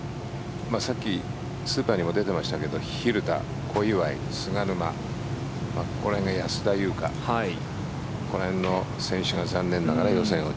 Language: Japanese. さっきスーパーにも出てましたけど、蛭田小祝、菅沼安田祐香、この辺の選手が残念ながら予選落ち。